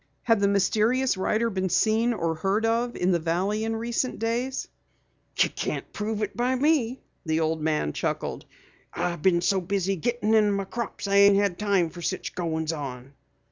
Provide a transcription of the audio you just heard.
Had the mysterious rider been seen or heard of in the Valley in recent days? "You can't prove it by me," the old man chuckled. "I been so busy gettin' in my crops I ain't had no time fer such goins on."